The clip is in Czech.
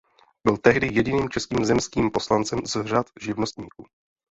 Byl tehdy jediným českým zemským poslancem z řad živnostníků.